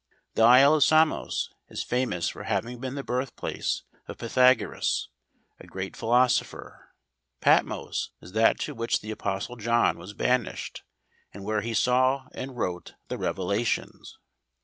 The isle of Samos is famous for having been the birth place of Pythagoras, a great philoso¬ pher. Patmos is that to which the apostle John was banished, and where he saw, and wrote the Revelations.